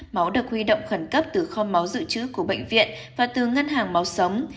máu được huy động khẩn cấp từ kho máu dự trữ của bệnh viện và từ ngân hàng máu sống